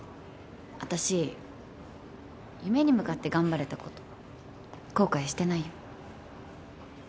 私夢に向かって頑張れたこと後悔してないよ